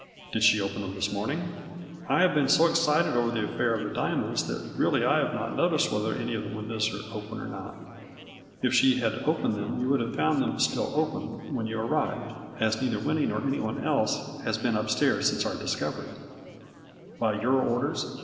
" Did she open them this morning ?"" I have been so excited over this affair of the diamonds that really I have not noticed whether any of the windows are open or not. If she had opened them you would have found them still open when you arrived, as neither Winnie nor anyone else has been upstairs since our dis covery." " By your orders